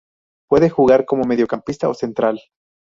Puede jugar como mediocampista o central.